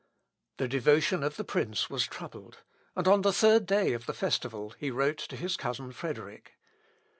" The devotion of the prince was troubled, and on the third day of the festival he wrote to his cousin Frederick.